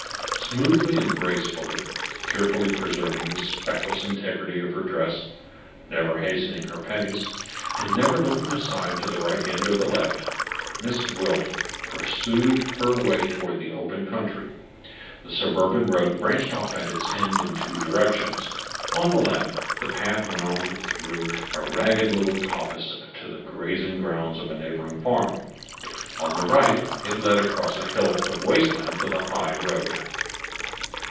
Smoothly and gracefully, carefully preserving the speckless integrity of her dress, never hastening her pace, and never looking aside to the right hand or the left, Miss Gwilt pursued her way toward the open country. The suburban road branched off at its end in two directions. On the left, the path wound through a ragged little coppice to the grazing grounds of a neighboring farm; on the right, it led across a hillock of waste land to the high road.